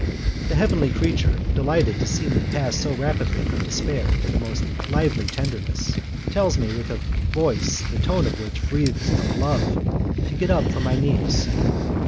The heavenly creature, delighted to see me pass so rapidly from despair to the most lively tenderness, tells me, with a voice the tone of which breathes of love, to get up from my knees.